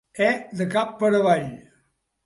E de cap per avall.